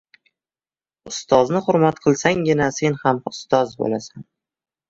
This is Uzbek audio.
• Ustozni hurmat qilsanggina sen ham ustoz bo‘lasan.